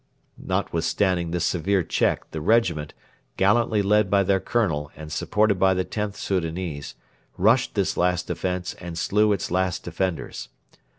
Notwithstanding this severe check the regiment, gallantly led by their colonel and supported by the Xth Soudanese, rushed this last defence and slew its last defenders.